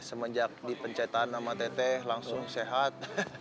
semenjak dipencetan sama teteh langsung sehat